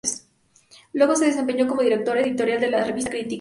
Luego se desempeñó como directora editorial de la revista "Crítica".